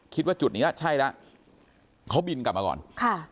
คิดว่าจุดนี้ใช่แล้วเขาบินกลับมาก่อนค่ะ